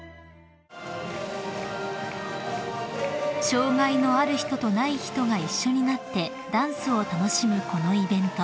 ［障害のある人とない人が一緒になってダンスを楽しむこのイベント］